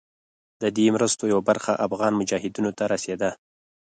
د دې مرستو یوه برخه افغان مجاهدینو ته رسېده.